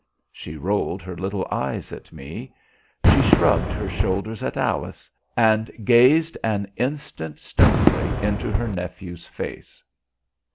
She rolled her little eyes at me, she shrugged her shoulders at Alice, and gazed an instant stonily into her nephew's face.